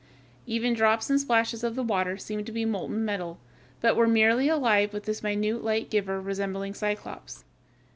Even drops and splashes of the water seemed to be molten metal, but were merely alive with this minute light giver resembling Cyclops.